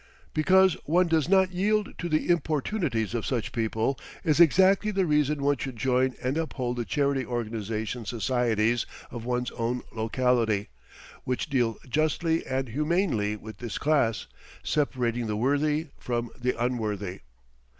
Because one does not yield to the importunities of such people is exactly the reason one should join and uphold the charity organization societies of one's own locality, which deal justly and humanely with this class, separating the worthy from the unworthy.